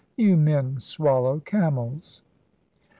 You men swallow camels."